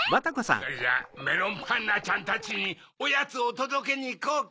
それじゃあメロンパンナちゃんたちにおやつをとどけにいこうか。